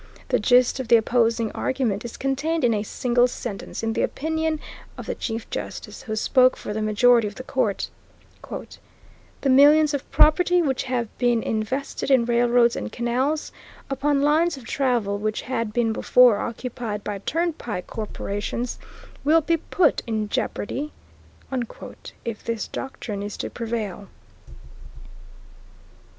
The gist of the opposing argument is contained in a single sentence in the opinion of the Chief Justice who spoke for the majority of the court: "The millions of property which have been invested in railroads and canals, upon lines of travel which had been before occupied by turnpike corporations, will be put in jeopardy" if this doctrine is to prevail.